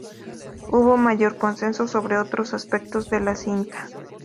Hubo mayor consenso sobre otros aspectos de la cinta.